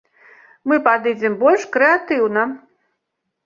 Мы падыдзем больш крэатыўна.